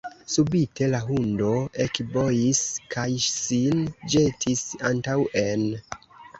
Subite la hundo ekbojis kaj sin ĵetis antaŭen.